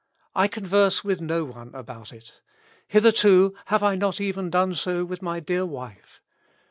I converse with no one about it. Hitherto have I not even done so with my dear wife.